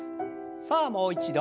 さあもう一度。